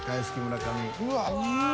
うわ！